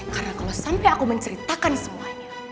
karena kalau sampai aku menceritakan semuanya